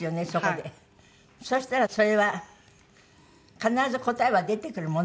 そしたらそれは必ず答えは出てくるものですか？